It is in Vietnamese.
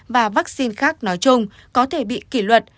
và vaccine khác nói chung có thể bị kỷ luật